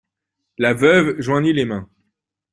La veuve joignit les mains.